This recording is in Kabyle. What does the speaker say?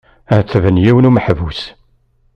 Ɛettben yiwen umeḥbus.